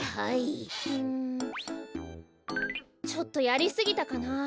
ちょっとやりすぎたかな？